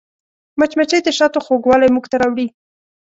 مچمچۍ د شاتو خوږوالی موږ ته راوړي